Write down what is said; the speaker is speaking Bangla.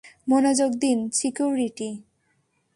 মনোযোগ দিন, সিকিউরিটি।